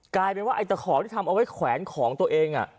กลายเป็นว่าไอ้ตะขอที่ทำเอาไว้แขวนของตัวเอง